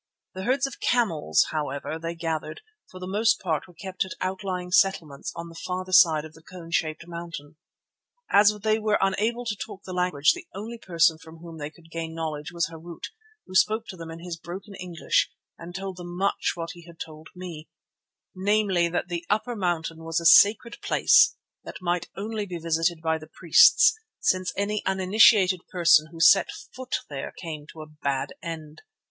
The herds of camels, however, they gathered, for the most part were kept at outlying settlements on the farther side of the cone shaped mountain. As they were unable to talk the language the only person from whom they could gain knowledge was Harût, who spoke to them in his broken English and told them much what he had told me, namely that the upper mountain was a sacred place that might only be visited by the priests, since any uninitiated person who set foot there came to a bad end.